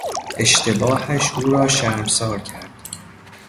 اشتباهش او را شرمسار کرد.